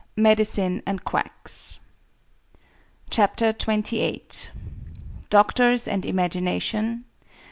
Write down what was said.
V. MEDICINE AND QUACKS. CHAPTER XXVIII. DOCTORS AND IMAGINATION.